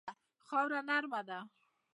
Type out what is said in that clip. خاوره نرمه ده.